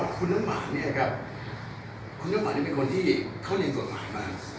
คุณน้ำหวานคือคนที่ได้เรียนตรวจหมามาก